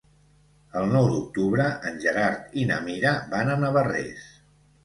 El nou d'octubre en Gerard i na Mira van a Navarrés.